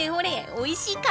おいしいか！